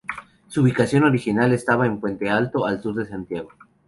Su ubicación original estaba en Puente Alto, al sur de Santiago.